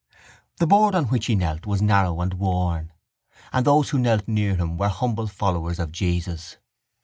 The board on which he knelt was narrow and worn and those who knelt near him were humble followers of Jesus.